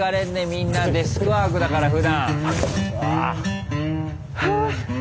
みんなデスクワークだからふだん。